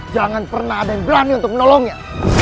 jangan pernah ada yang berani untuk menolongnya